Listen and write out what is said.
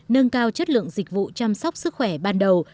nâng cao chất lượng dịch vụ chăm sóc sức khỏe ban đầu